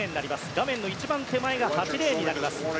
画面の一番手前が８レーンになります。